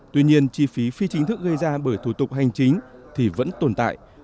tuy nhiên chi phí phi chính thức gây ra bởi thủ tục hành chính thì vẫn tồn tại